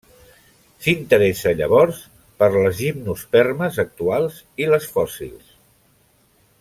S'interessa llavors per les gimnospermes actuals i les fòssils.